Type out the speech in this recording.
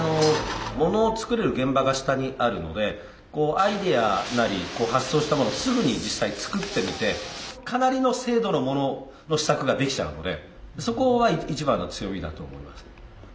アイデアなり発想したものをすぐに実際作ってみてかなりの精度のものの試作ができちゃうのでそこは一番の強みだと思います。